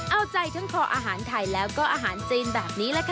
เอาใจทั้งคออาหารไทยแล้วก็อาหารจีนแบบนี้แหละค่ะ